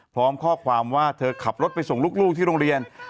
พร้อมข้อความว่าเธอขับรถไปส่งลูกที่โรงเรียน